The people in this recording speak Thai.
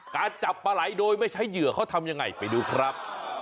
จับปลาไหลโดยไม่ใช้เหยื่อเขาทำยังไงไปดูครับ